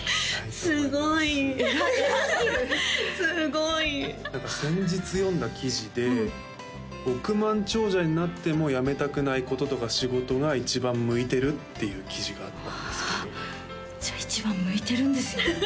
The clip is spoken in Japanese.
すごい偉すぎるすごい何か先日読んだ記事で億万長者になってもやめたくないこととか仕事が一番向いてるっていう記事があったんですけどじゃあ一番向いてるんですよ